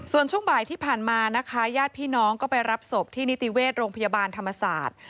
ส่วนช่วงบ่ายที่ผ่านมานะคะญาติพี่น้องก็ไปรับศพที่นิติเวชโรงพยาบาลธรรมศาสตร์